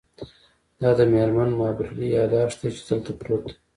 دا د میرمن مابرلي یادښت دی چې دلته پروت دی